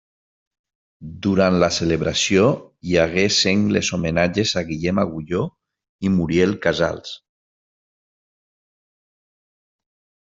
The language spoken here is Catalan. Durant la celebració hi hagué sengles homenatges a Guillem Agulló i Muriel Casals.